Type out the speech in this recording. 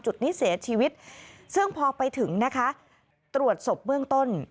จุดนี้เสียชีวิตซึ่งพอไปถึงนะคะตรวจศพเบื้องต้น